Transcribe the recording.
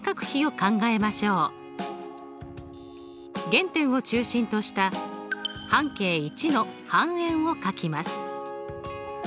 原点を中心とした半径１の半円をかきます。